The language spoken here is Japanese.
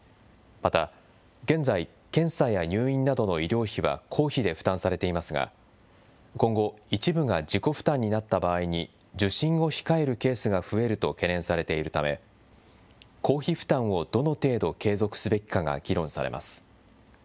また、現在、検査や入院などの医療費は公費で負担されていますが、今後、一部が自己負担になった場合に受診を控えるケースが増えると懸念されているため、公費負担をどの程度継続すべきかが議論されます。